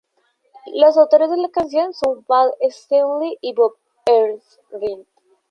Los autores de la canción son Paul Stanley y Bob Ezrin.